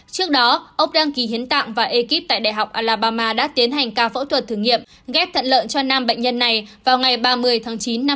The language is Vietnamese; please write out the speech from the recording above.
trước đó ông đăng ký hiến tạng và ekip tại đại học alabama đã tiến hành ca phẫu thuật thử nghiệm ghép thận lợi cho năm bệnh nhân này vào ngày ba mươi tháng chín năm hai nghìn hai mươi